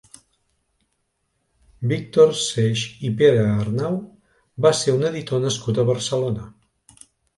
Víctor Seix i Perearnau va ser un editor nascut a Barcelona.